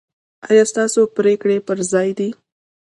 ایا ستاسو پریکړې پر ځای دي؟